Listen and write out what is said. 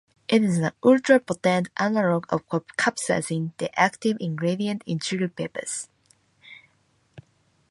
It is an ultrapotent analogue of capsaicin, the active ingredient in chili peppers.